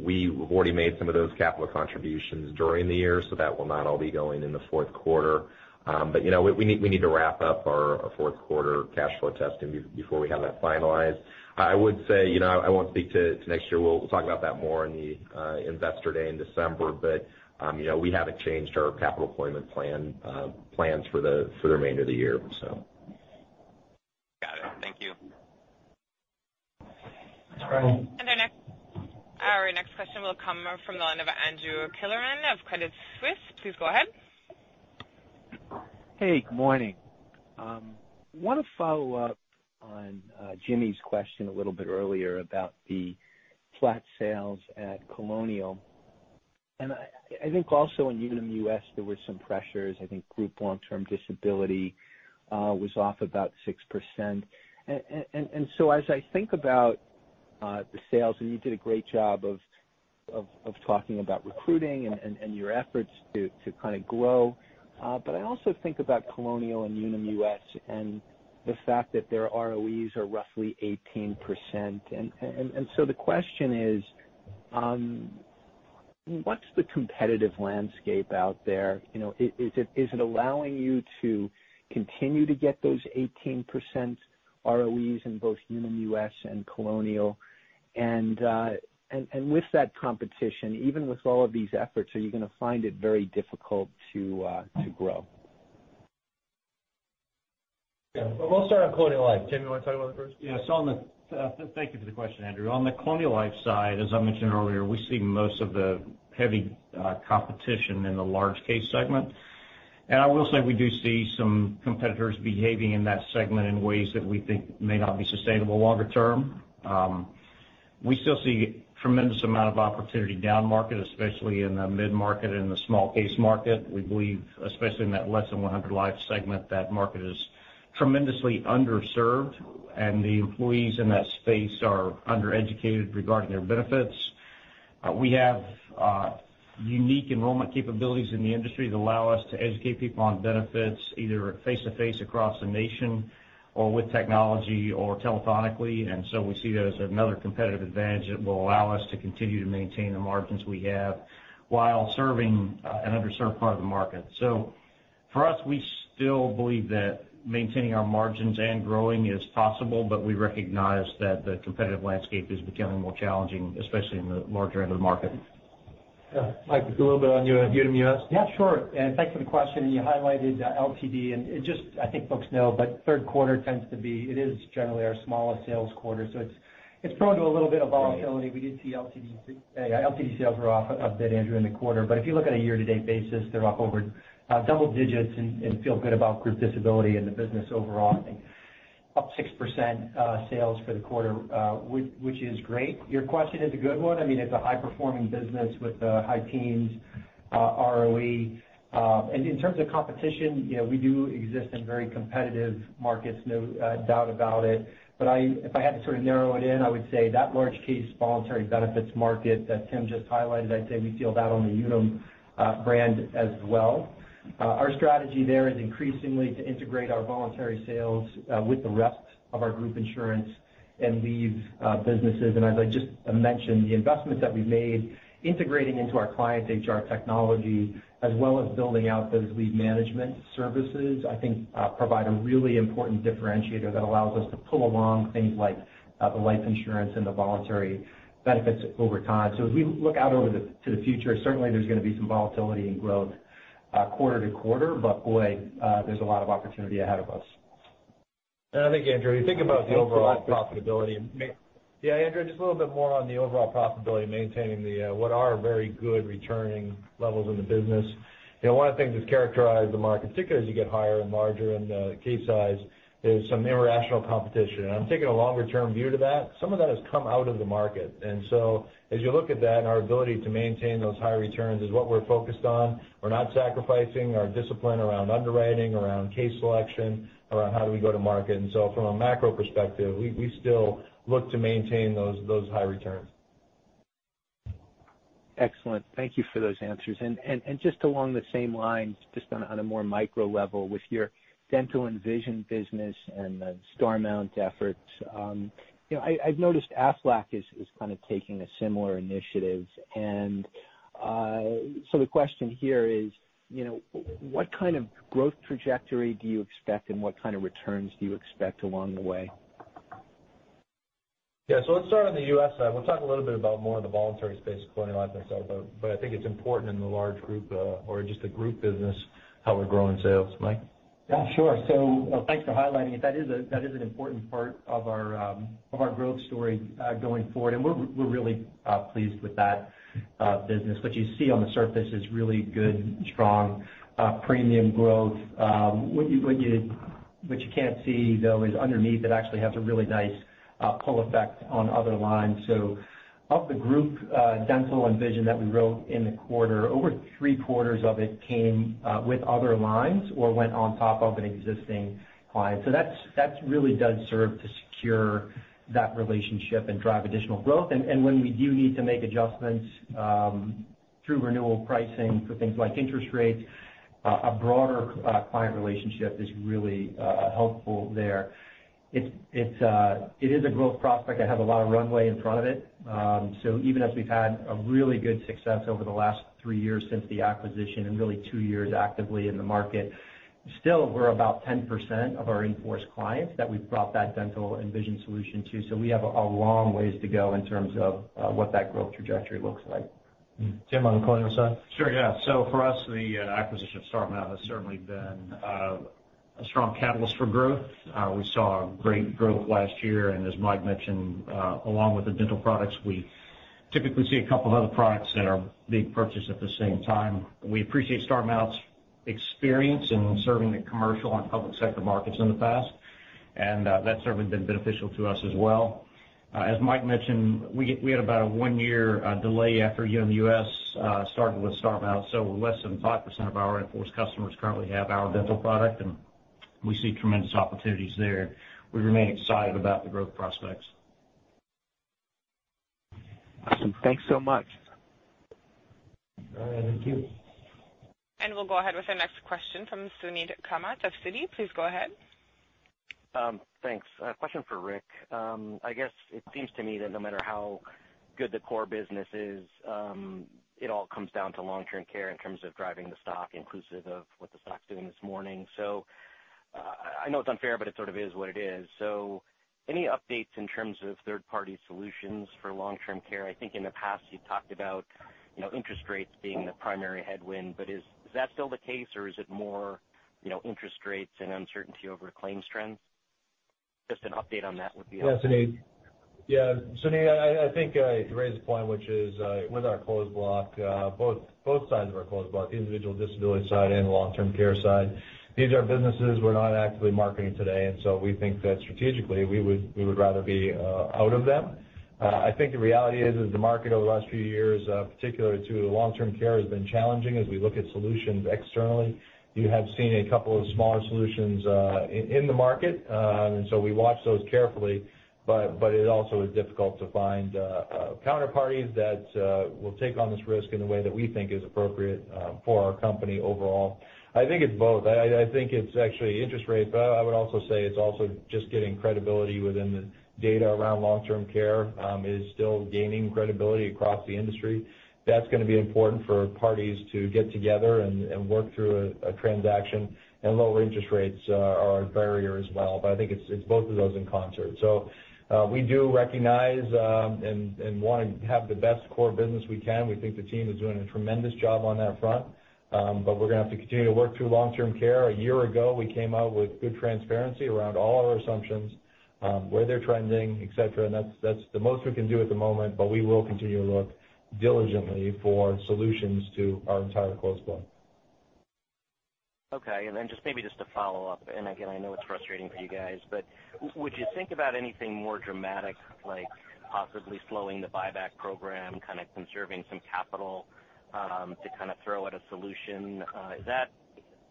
We've already made some of those capital contributions during the year, that will not all be going in the fourth quarter. We need to wrap up our fourth quarter cash flow testing before we have that finalized. I would say I won't speak to next year. We'll talk about that more in the investor day in December. We haven't changed our capital deployment plans for the remainder of the year. Got it. Thank you. Thanks, Ryan. Our next question will come from the line of Andrew Kligerman of Credit Suisse. Please go ahead. Hey, good morning. I want to follow up on Jimmy's question a little bit earlier about the flat sales at Colonial, and I think also in Unum US, there were some pressures. I think group long-term disability was off about 6%. As I think about the sales, and you did a great job of talking about recruiting and your efforts to kind of grow. But I also think about Colonial and Unum US and the fact that their ROEs are roughly 18%. The question is, what's the competitive landscape out there? Is it allowing you to continue to get those 18% ROEs in both Unum US and Colonial? With that competition, even with all of these efforts, are you going to find it very difficult to grow? Yeah. Well, I'll start on Colonial Life. Tim, you want to talk about it first? Thank you for the question, Andrew. On the Colonial Life side, as I mentioned earlier, we see most of the heavy competition in the large case segment. I will say we do see some competitors behaving in that segment in ways that we think may not be sustainable longer term. We still see tremendous amount of opportunity down market, especially in the mid-market and the small case market. We believe, especially in that less than 100 life segment, that market is tremendously underserved, and the employees in that space are undereducated regarding their benefits. We have unique enrollment capabilities in the industry that allow us to educate people on benefits, either face to face across the nation or with technology or telephonically. We see that as another competitive advantage that will allow us to continue to maintain the margins we have while serving an underserved part of the market. For us, we still believe that maintaining our margins and growing is possible, but we recognize that the competitive landscape is becoming more challenging, especially in the larger end of the market. Mike, a little bit on your Unum US? Sure. Thanks for the question. You highlighted LTD, I think folks know, third quarter tends to be, it is generally our smallest sales quarter. It's prone to a little bit of volatility. We did see LTD sales were off a bit, Andrew, in the quarter. If you look at a year-to-date basis, they're up over double digits and feel good about group disability and the business overall, up 6% sales for the quarter, which is great. Your question is a good one. I mean, it's a high-performing business with high teens ROE. In terms of competition, we do exist in very competitive markets, no doubt about it. If I had to sort of narrow it in, I would say that large case voluntary benefits market that Tim just highlighted, I'd say we feel that on the Unum brand as well. Our strategy there is increasingly to integrate our voluntary sales with the rest of our group insurance and leave businesses. As I just mentioned, the investments that we've made integrating into our clients' HR technology as well as building out those lead management services, I think provide a really important differentiator that allows us to pull along things like the life insurance and the voluntary benefits over time. As we look out over to the future, certainly there's going to be some volatility in growth quarter-to-quarter, but boy, there's a lot of opportunity ahead of us. I think, Andrew, you think about the overall profitability. Yeah, Andrew, just a little bit more on the overall profitability, maintaining what are very good returning levels in the business. One of the things that's characterized the market, particularly as you get higher and larger in the case size, is some irrational competition. I'm taking a longer-term view to that. Some of that has come out of the market. As you look at that and our ability to maintain those high returns is what we're focused on. We're not sacrificing our discipline around underwriting, around case selection, around how do we go to market. From a macro perspective, we still look to maintain those high returns. Excellent. Thank you for those answers. Just along the same lines, just on a more micro level with your dental and vision business and the Starmount efforts. I've noticed Aflac is kind of taking a similar initiative, the question here is, what kind of growth trajectory do you expect and what kind of returns do you expect along the way? Yeah. Let's start on the U.S. side. We'll talk a little bit about more of the voluntary space, Glenn, I'd like to say, but I think it's important in the large group or just the group business, how we're growing sales. Mike? Yeah, sure. Thanks for highlighting it. That is an important part of our growth story going forward, and we're really pleased with that business. What you see on the surface is really good, strong premium growth. What you can't see, though, is underneath, it actually has a really nice pull effect on other lines. Of the group dental and vision that we wrote in the quarter, over three-quarters of it came with other lines or went on top of an existing client. That really does serve to secure that relationship and drive additional growth. When we do need to make adjustments through renewal pricing for things like interest rates, a broader client relationship is really helpful there. It is a growth prospect that has a lot of runway in front of it. Even as we've had a really good success over the last three years since the acquisition and really two years actively in the market, still we're about 10% of our in-force clients that we've brought that dental and vision solution to. We have a long ways to go in terms of what that growth trajectory looks like. Tim, on the Colonial side? Sure, yeah. For us, the acquisition of Starmount has certainly been a strong catalyst for growth. We saw great growth last year, and as Mike mentioned, along with the dental products, we typically see a couple of other products that are being purchased at the same time. We appreciate Starmount's experience in serving the commercial and public sector markets in the past, and that's certainly been beneficial to us as well. As Mike mentioned, we had about a one-year delay after Unum US started with Starmount. Less than 5% of our in-force customers currently have our dental product, and we see tremendous opportunities there. We remain excited about the growth prospects. Awesome. Thanks so much. All right. Thank you. We'll go ahead with our next question from Suneet Kamath of Citi. Please go ahead. Thanks. A question for Rick. I guess it seems to me that no matter how good the core business is, it all comes down to long-term care in terms of driving the stock inclusive of what the stock's doing this morning. I know it's unfair, but it sort of is what it is. Any updates in terms of third-party solutions for long-term care? I think in the past, you talked about interest rates being the primary headwind, but is that still the case or is it more interest rates and uncertainty over claims trends? Just an update on that would be helpful. Suneet, I think you raised a point which is with our closed block, both sides of our closed block, the individual disability side and the long-term care side, these are businesses we're not actively marketing today. We think that strategically, we would rather be out of them. I think the reality is the market over the last few years, particularly to long-term care, has been challenging as we look at solutions externally. You have seen a couple of smaller solutions in the market. We watch those carefully. It also is difficult to find counterparties that will take on this risk in a way that we think is appropriate for our company overall. I think it's both. I think it's actually interest rates. I would also say it's also just getting credibility within the data around long-term care is still gaining credibility across the industry. That's going to be important for parties to get together and work through a transaction. Lower interest rates are a barrier as well. I think it's both of those in concert. We do recognize and want to have the best core business we can. We think the team is doing a tremendous job on that front. We're going to have to continue to work through long-term care. A year ago, we came out with good transparency around all our assumptions, where they're trending, et cetera. That's the most we can do at the moment. We will continue to look diligently for solutions to our entire closed block. Okay. Then just maybe just to follow up. Again, I know it's frustrating for you guys, would you think about anything more dramatic, like possibly slowing the buyback program, kind of conserving some capital to kind of throw at a solution?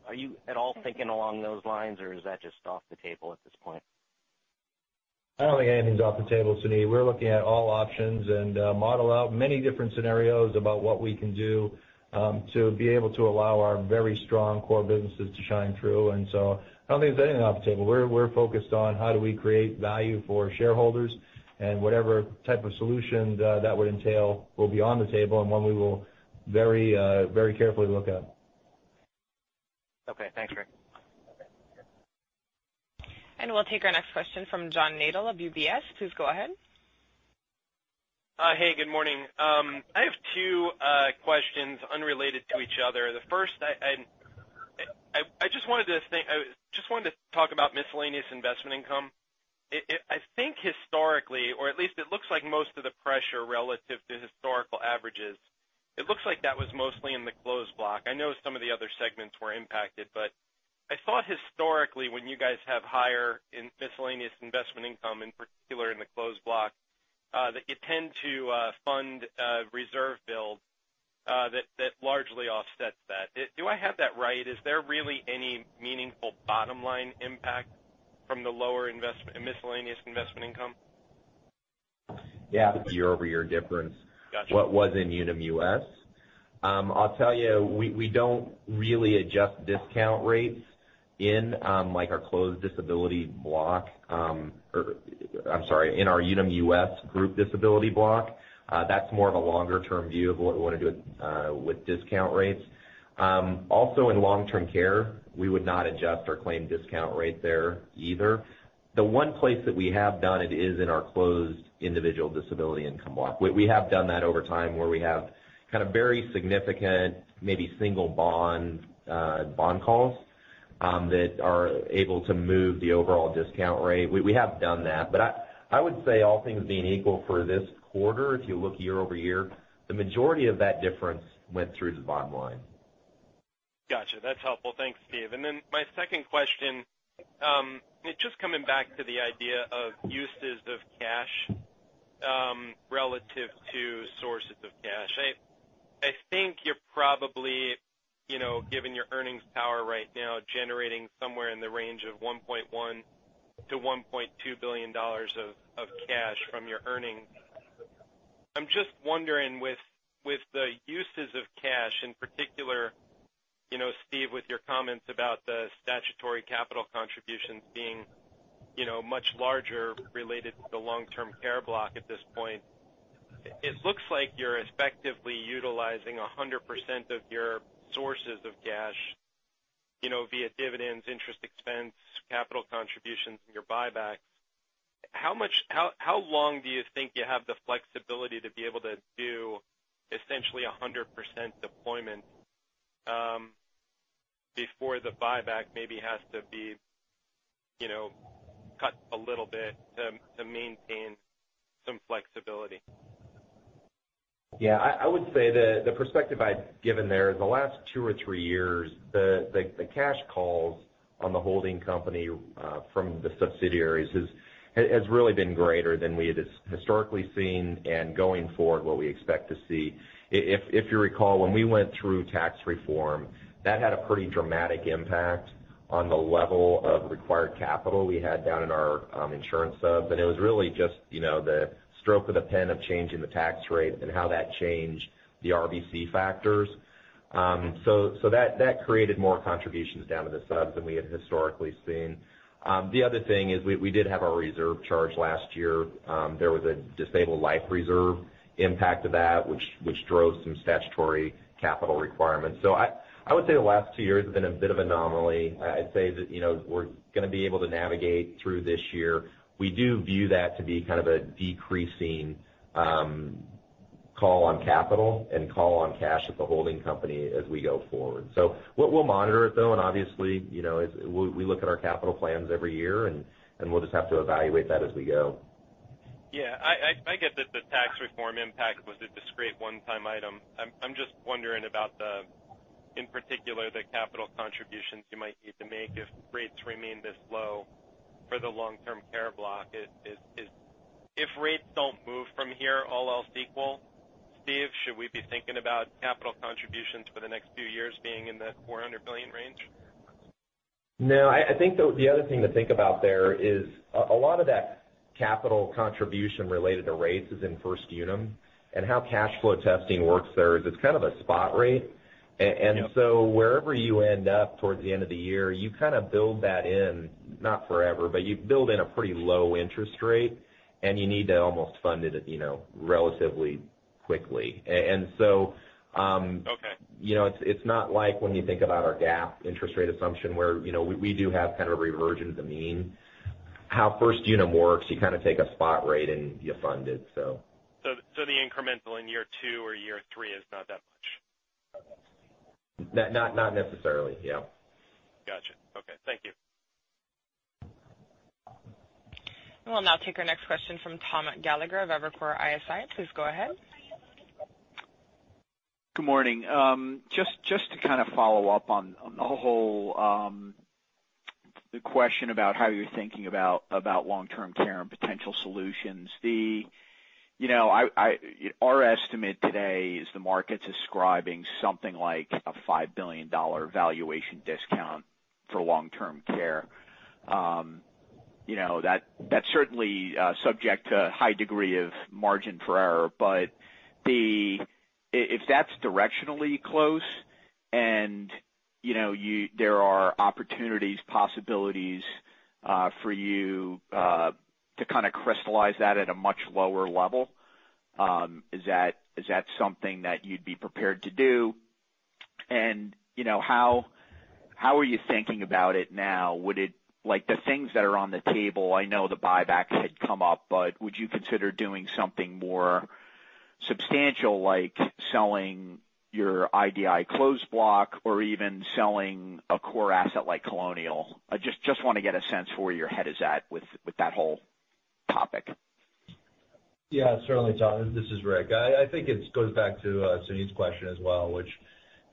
Are you at all thinking along those lines, is that just off the table at this point? I don't think anything's off the table, Suneet. We're looking at all options and model out many different scenarios about what we can do to be able to allow our very strong core businesses to shine through. So I don't think there's anything off the table. We're focused on how do we create value for shareholders, and whatever type of solution that would entail will be on the table and one we will very carefully look at. Okay. Thanks, Rick. We'll take our next question from John Barnidge of UBS. Please go ahead. Hey, good morning. I have two questions unrelated to each other. The first, I just wanted to talk about miscellaneous investment income. I think historically, or at least it looks like most of the pressure relative to historical averages, it looks like that was mostly in the closed block. I know some of the other segments were impacted, but I thought historically, when you guys have higher miscellaneous investment income, in particular in the closed block, that you tend to fund reserve build that largely offsets that. Do I have that right? Is there really any meaningful bottom-line impact from the lower miscellaneous investment income? Yeah, year-over-year difference- Got you. what was in Unum US. I'll tell you, we don't really adjust discount rates in our closed disability block, or I'm sorry, in our Unum US group disability block. That's more of a longer-term view of what we want to do with discount rates. Also, in long-term care, we would not adjust our claim discount rate there either. The one place that we have done it is in our closed individual disability income block. We have done that over time, where we have kind of very significant, maybe single bond calls that are able to move the overall discount rate. We have done that. I would say all things being equal for this quarter, if you look year-over-year, the majority of that difference went through to the bottom line. Got you. That's helpful. Thanks, Steve. My second question, just coming back to the idea of uses of cash relative to sources of cash. I think you're probably, given your earnings power right now, generating somewhere in the range of $1.1 billion-$1.2 billion of cash from your earnings. I'm just wondering with the uses of cash, in particular, Steve, with your comments about the statutory capital contributions being much larger related to the long-term care block at this point, it looks like you're effectively utilizing 100% of your sources of cash via dividends, interest expense, capital contributions, and your buyback. How long do you think you have the flexibility to be able to do essentially 100% deployment before the buyback maybe has to be cut a little bit to maintain some flexibility? I would say the perspective I've given there, the last two or three years, the cash calls on the holding company from the subsidiaries has really been greater than we had historically seen and going forward, what we expect to see. If you recall, when we went through tax reform, that had a pretty dramatic impact on the level of required capital we had down in our insurance subs, and it was really just the stroke of the pen of changing the tax rate and how that changed the RBC factors. That created more contributions down to the subs than we had historically seen. The other thing is we did have our reserve charge last year. There was a disabled life reserve impact of that, which drove some statutory capital requirements. I would say the last two years have been a bit of anomaly. I'd say that we're going to be able to navigate through this year. We do view that to be kind of a decreasing call on capital and call on cash at the holding company as we go forward. We'll monitor it, though, and obviously we look at our capital plans every year, and we'll just have to evaluate that as we go. I get that the tax reform impact was a discrete one-time item. I'm just wondering about, in particular, the capital contributions you might need to make if rates remain this low for the long-term care block. If rates don't move from here, all else equal, Steve, should we be thinking about capital contributions for the next few years being in the $400 billion range? I think the other thing to think about there is a lot of that capital contribution related to rates is in First Unum, and how cash flow testing works there is it's kind of a spot rate. Yeah. Wherever you end up towards the end of the year, you kind of build that in, not forever, but you build in a pretty low interest rate, and you need to almost fund it relatively quickly. Okay It's not like when you think about our GAAP interest rate assumption where we do have kind of reversion to mean. How First Unum works, you kind of take a spot rate and you fund it. The incremental in year two or year three is not that much? Not necessarily. Yeah. Got you. Okay. Thank you. We'll now take our next question from Tom Gallagher of Evercore ISI. Please go ahead. Good morning. Just to kind of follow up on the whole question about how you're thinking about long-term care and potential solutions. Our estimate today is the market's ascribing something like a $5 billion valuation discount for long-term care. That's certainly subject to a high degree of margin for error, but if that's directionally close and there are opportunities, possibilities for you to kind of crystallize that at a much lower level, is that something that you'd be prepared to do? How are you thinking about it now? The things that are on the table, I know the buybacks had come up, would you consider doing something more substantial, like selling your IDI closed block or even selling a core asset like Colonial? I just want to get a sense where your head is at with that whole topic. Yeah. Certainly, Tom. This is Rick. I think it goes back to Suneet's question as well, which,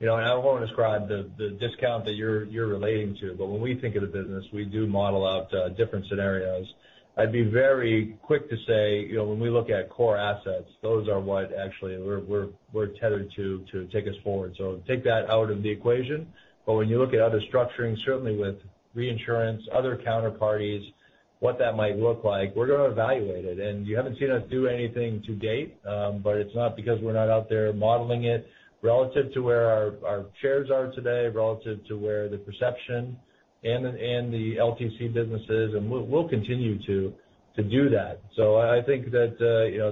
I won't describe the discount that you're relating to, when we think of the business, we do model out different scenarios. I'd be very quick to say, when we look at core assets, those are what actually we're tethered to take us forward. Take that out of the equation, when you look at other structuring, certainly with reinsurance, other counterparties, what that might look like, we're going to evaluate it. You haven't seen us do anything to date, it's not because we're not out there modeling it relative to where our shares are today, relative to where the perception and the LTC businesses, we'll continue to do that. I think that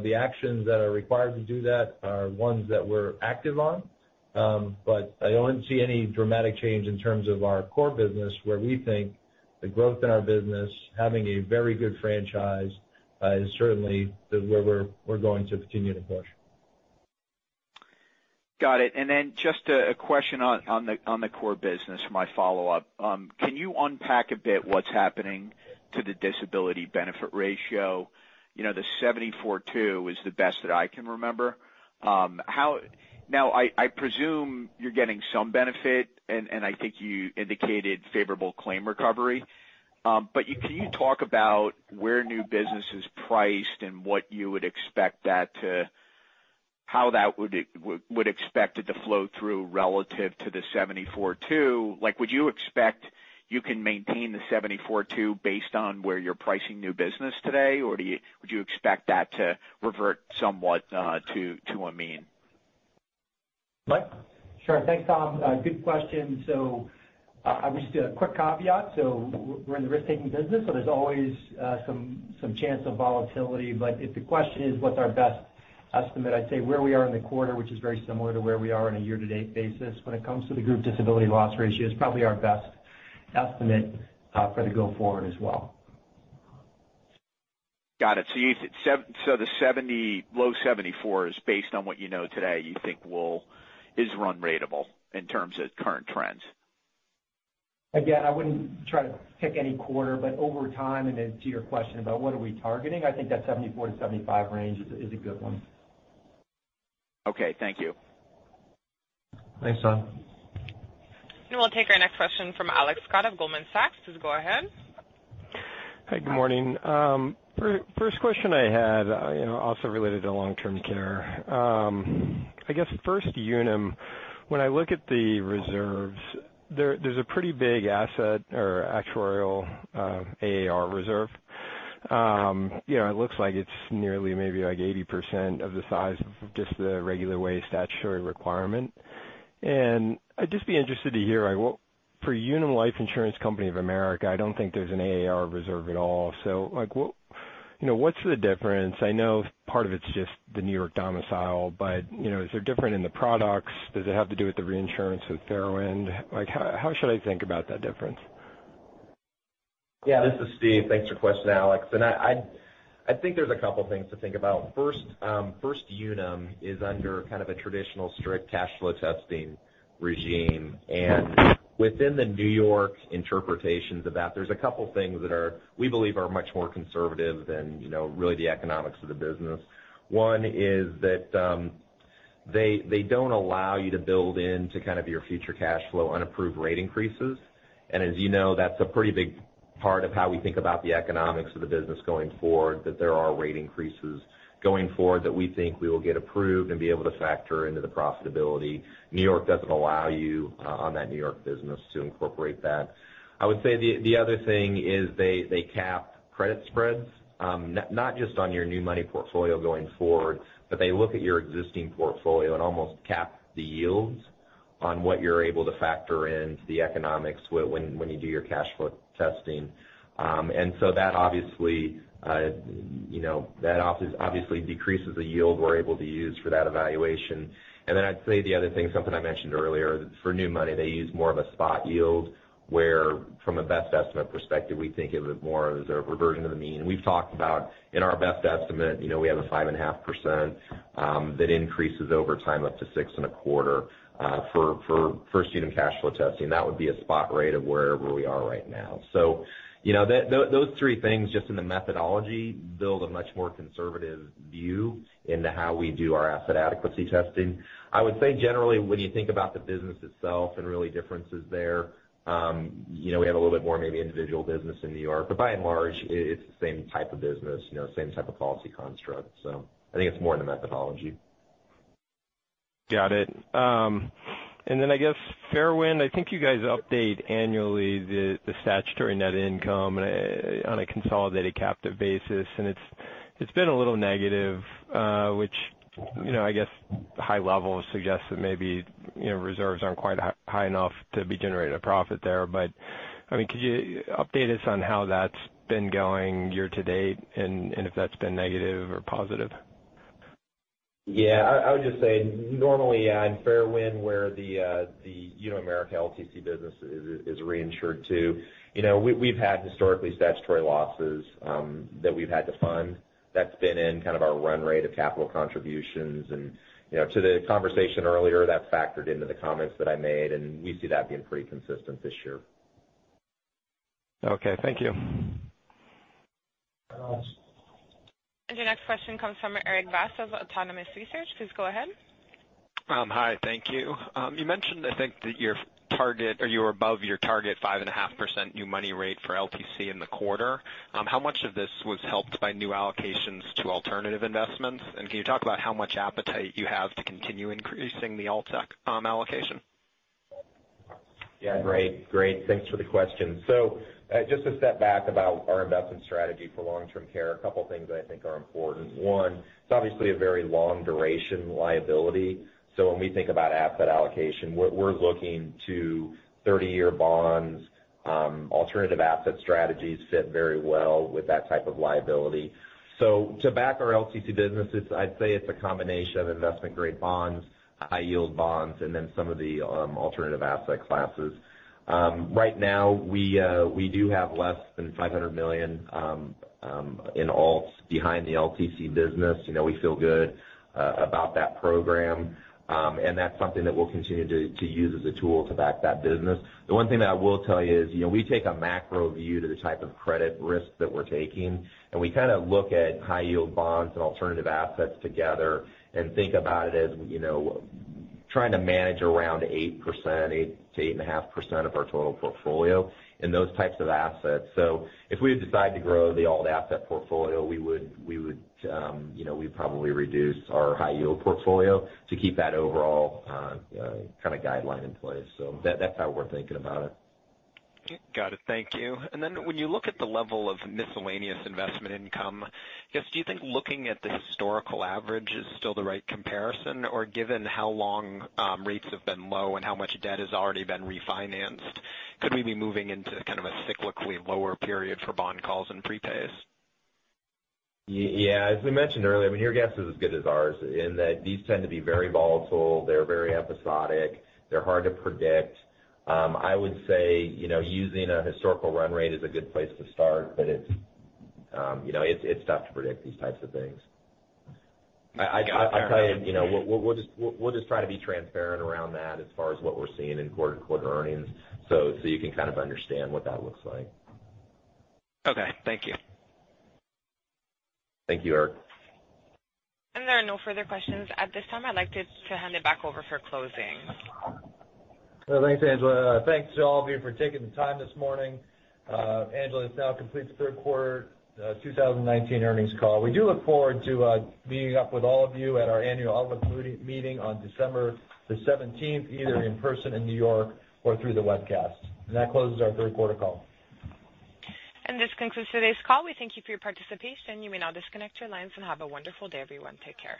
the actions that are required to do that are ones that we're active on. I don't see any dramatic change in terms of our core business, where we think the growth in our business, having a very good franchise, is certainly where we're going to continue to push. Got it. Just a question on the core business for my follow-up. Can you unpack a bit what's happening to the disability benefit ratio? The 74.2 is the best that I can remember. Now, I presume you're getting some benefit, and I think you indicated favorable claim recovery. Can you talk about where new business is priced and how that would expect it to flow through relative to the 74.2? Would you expect you can maintain the 74.2 based on where you're pricing new business today, or would you expect that to revert somewhat to a mean? Mike? Sure. Thanks, Tom. Good question. Just a quick caveat. We're in the risk-taking business, there's always some chance of volatility. If the question is what's our best estimate, I'd say where we are in the quarter, which is very similar to where we are on a year-to-date basis when it comes to the group disability loss ratio, is probably our best estimate for the go forward as well. Got it. The low 74 is based on what you know today, you think is run ratable in terms of current trends? I wouldn't try to pick any quarter, but over time, to your question about what are we targeting, I think that 74-75 range is a good one. Okay. Thank you. Thanks, Tom. We'll take our next question from Alex Scott of Goldman Sachs. Please go ahead. Hi. Good morning. First question I had, also related to long-term care. I guess First Unum, when I look at the reserves, there's a pretty big asset or actuarial AAR reserve. It looks like it's nearly maybe like 80% of the size of just the regular way statutory requirement. I'd just be interested to hear, for Unum Life Insurance Company of America, I don't think there's an AAR reserve at all. What's the difference? I know part of it's just the New York domicile, but is it different in the products? Does it have to do with the reinsurance with Fairwind? How should I think about that difference? Yeah. This is Steve. Thanks for the question, Alex. I think there's a couple things to think about. First Unum is under kind of a traditional strict cash flow testing regime, and within the New York interpretations of that, there's a couple things that we believe are much more conservative than really the economics of the business. One is that they don't allow you to build into kind of your future cash flow on approved rate increases. As you know, that's a pretty big part of how we think about the economics of the business going forward, that there are rate increases going forward that we think we will get approved and be able to factor into the profitability. New York doesn't allow you, on that New York business, to incorporate that. I would say the other thing is they cap credit spreads, not just on your new money portfolio going forward, but they look at your existing portfolio and almost cap the yields on what you're able to factor into the economics when you do your cash flow testing. That obviously decreases the yield we're able to use for that evaluation. Then I'd say the other thing, something I mentioned earlier, for new money, they use more of a spot yield, where from a best estimate perspective, we think of it more as a reversion to the mean. We've talked about in our best estimate, we have a 5.5% that increases over time up to 6.25% for statutory cash flow testing. That would be a spot rate of wherever we are right now. Those three things, just in the methodology, build a much more conservative view into how we do our asset adequacy testing. I would say, generally, when you think about the business itself and really differences there, we have a little bit more maybe individual business in New York, but by and large, it's the same type of business, same type of policy construct. I think it's more in the methodology. I guess, Fairwind, I think you guys update annually the statutory net income on a consolidated captive basis, and it's been a little negative, which I guess high level suggests that maybe reserves aren't quite high enough to be generating a profit there. Could you update us on how that's been going year to date and if that's been negative or positive? Yeah. I would just say, normally, on Fairwind, where the Unum America LTC business is reinsured to, we've had historically statutory losses that we've had to fund. That's been in kind of our run rate of capital contributions. To the conversation earlier, that's factored into the comments that I made, and we see that being pretty consistent this year. Okay, thank you. Your next question comes from Erik Bass of Autonomous Research. Please go ahead. Hi, thank you. You mentioned, I think, that you're above your target 5.5% new money rate for LTC in the quarter. How much of this was helped by new allocations to alternative investments? Can you talk about how much appetite you have to continue increasing the alt allocation? Yeah. Great. Thanks for the question. Just to step back about our investment strategy for long-term care, a couple things I think are important. One, it's obviously a very long duration liability, so when we think about asset allocation, we're looking to 30-year bonds. Alternative asset strategies fit very well with that type of liability. To back our LTC businesses, I'd say it's a combination of investment-grade bonds, high-yield bonds, and then some of the alternative asset classes. Right now, we do have less than $500 million in alts behind the LTC business. We feel good about that program. That's something that we'll continue to use as a tool to back that business. The one thing that I will tell you is, we take a macro view to the type of credit risk that we're taking, and we kind of look at high-yield bonds and alternative assets together and think about it as trying to manage around 8%-8.5% of our total portfolio in those types of assets. If we decide to grow the alt asset portfolio, we'd probably reduce our high-yield portfolio to keep that overall kind of guideline in place. That's how we're thinking about it. Got it. Thank you. Then when you look at the level of miscellaneous investment income, just do you think looking at the historical average is still the right comparison? Given how long rates have been low and how much debt has already been refinanced, could we be moving into kind of a cyclically lower period for bond calls and prepays? Yeah. As we mentioned earlier, your guess is as good as ours in that these tend to be very volatile. They're very episodic. They're hard to predict. I would say using a historical run rate is a good place to start, but it's tough to predict these types of things. Got it. Fair enough. I'll tell you, we'll just try to be transparent around that as far as what we're seeing in quarter-to-quarter earnings so you can kind of understand what that looks like. Okay, thank you. Thank you, Erik. There are no further questions. At this time, I'd like to hand it back over for closing. Thanks, Angela. Thanks to all of you for taking the time this morning. Angela, this now completes the third quarter 2019 earnings call. We do look forward to meeting up with all of you at our annual shareholder meeting on December the 17th, either in person in New York or through the webcast. That closes our third quarter call. This concludes today's call. We thank you for your participation. You may now disconnect your lines. Have a wonderful day, everyone. Take care.